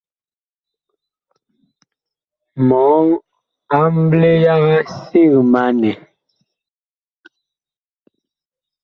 Mɔɔ amble yaga sig ma nɛ !